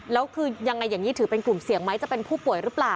แล้วคือยังไงอย่างนี้ถือเป็นกลุ่มเสี่ยงไหมจะเป็นผู้ป่วยหรือเปล่า